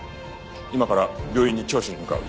今から病院に聴取に向かう。